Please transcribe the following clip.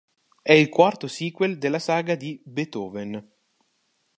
È il quarto sequel della saga di "Beethoven".